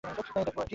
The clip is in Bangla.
দেখব আর কী?